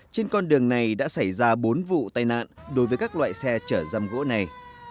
trên con đường này đã xảy ra bốn vụ tai nạn đối với các loại xe chở răm gỗ này